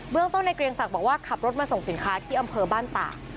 เรื่องต้นในเกรียงศักดิ์บอกว่าขับรถมาส่งสินค้าที่อำเภอบ้านตาก